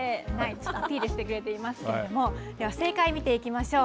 ちょっとアピールしてくれていますけれども、では、正解見ていきましょう。